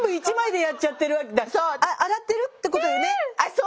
そう。